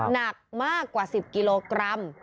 หนักมากกว่า๑๐กิโลกรัม